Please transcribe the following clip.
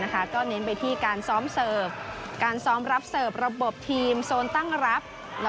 ก็เน้นไปที่สร้อมรับเสิร์ฟระบบทีมโซนตั้งรับ